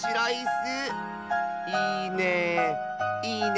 いいね。